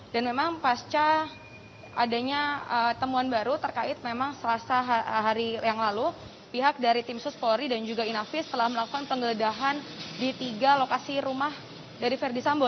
dan memang pasca adanya temuan baru terkait memang selasa hari yang lalu pihak dari tim sus pori dan juga inavis telah melakukan penggeledahan di tiga lokasi rumah dari verdi sambo